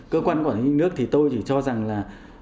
cơ quan quản lý nhà nước thì tôi chỉ cho rằng là